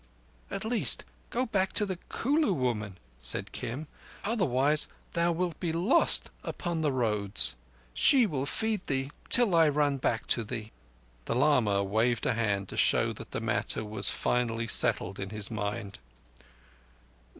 "At least go back to the Kulu woman," said Kim, "otherwise thou wilt be lost upon the roads. She will feed thee till I run back to thee." The lama waved a hand to show that the matter was finally settled in his mind.